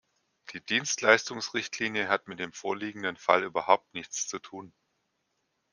Die Dienstleistungsrichtlinie hat mit dem vorliegenden Fall überhaupt nichts zu tun.